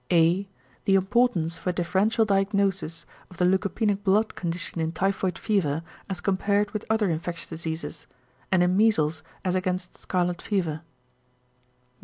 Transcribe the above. [alpha]. The importance for differential diagnosis of the leukopenic blood condition in typhoid fever as compared with other infectious diseases, and in measles as against scarlet fever.